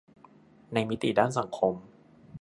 ในมิติด้านสังคม